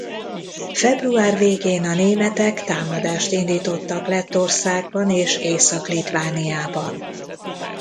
Február végén a németek támadást indítottak Lettországban és Észak-Litvániában.